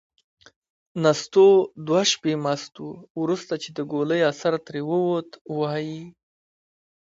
نستوه دوه شپې مست و. وروسته چې د ګولۍ اثر ترې ووت، وايي: